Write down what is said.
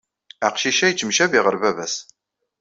Aqcic-a yettemcabi ɣer baba-s.